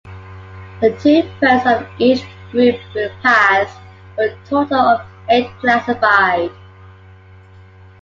The two first of each group will pass, for a total of eight classified..